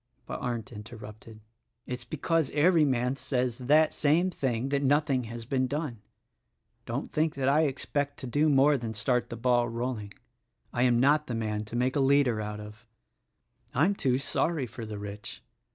But Arndt interrupted: "It's because every man says that same thing that nothing has been done. Don't think that I expect to do more than start the ball rolling. I am not the man to make a leader out of: I'm too sorry for the rich.